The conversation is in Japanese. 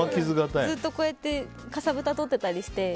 ずっとこうやってかさぶたを取ってたりして。